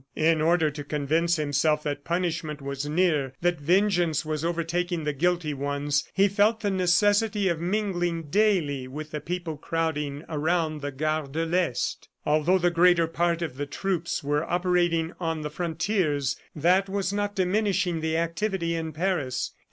... In order to convince himself that punishment was near, that vengeance was overtaking the guilty ones, he felt the necessity of mingling daily with the people crowding around the Gare de l'Est. Although the greater part of the troops were operating on the frontiers, that was not diminishing the activity in Paris.